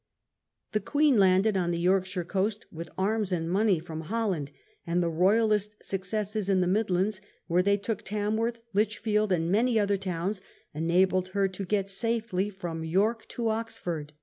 The Queen landed on the Yorkshire coast with arms and money from Holland, and the Royalist successes in the Midlands, where they took Tam worth, Lichfield, and many other towns, enabled her to get in safety from York to Oxford.